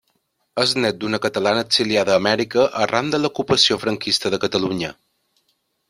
És nét d'una catalana exiliada a Amèrica arran de l'ocupació franquista de Catalunya.